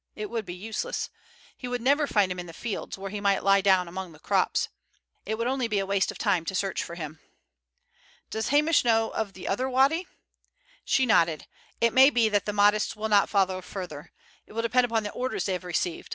It would be useless. He would never find him in the fields, where he might lie down among the crops. It would only be waste of time to search for him." "Does Hamish know of the other wady?" She nodded. "It may be that the Mahdists will not follow further. It will depend upon the orders they have received.